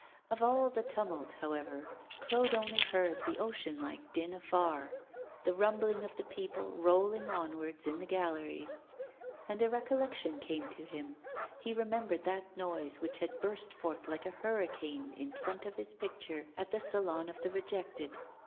Of all the tumult, however, Claude only heard the ocean like din afar, the rumbling of the people rolling onwards in the galleries. And a recollection came to him, he remembered that noise which had burst forth like a hurricane in front of his picture at the Salon of the Rejected.